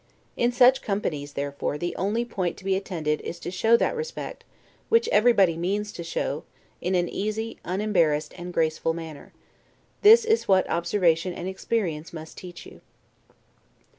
In such companies, therefore, the only point to be attended to is to show that respect, which everybody means to show, in an easy, unembarrassed, and graceful manner. This is what observation and experience must teach you.